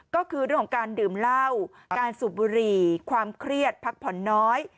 ก็คือเรื่องของการดื่มเหล้าการสูบบุหรี่ความเครียดพักผ่อนน้อย